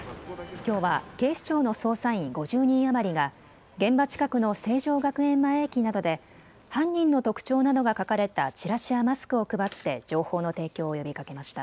きょうは警視庁の捜査員５０人余りが現場近くの成城学園前駅などで犯人の特徴などが書かれたチラシやマスクを配って情報の提供を呼びかけました。